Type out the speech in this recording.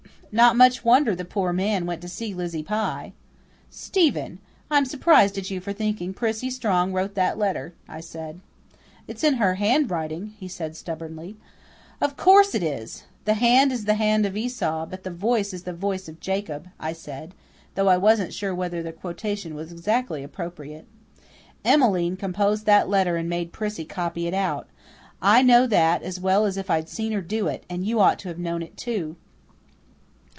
Not much wonder the poor man went to see Lizzie Pye! "Stephen, I'm surprised at you for thinking that Prissy Strong wrote that letter," I said. "It's in her handwriting," he said stubbornly. "Of course it is. 'The hand is the hand of Esau, but the voice is the voice of Jacob,'" I said, though I wasn't sure whether the quotation was exactly appropriate. "Emmeline composed that letter and made Prissy copy it out. I know that as well as if I'd seen her do it, and you ought to have known it, too."